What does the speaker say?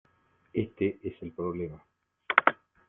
este es el problema.